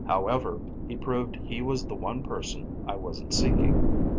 However, he'd proved he was the one person I wasn't seeking.